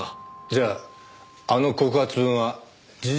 じゃああの告発文は事実無根だと？